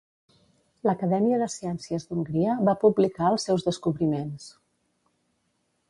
L'Acadèmia de Ciències d'Hongria va publicar els seus descobriments.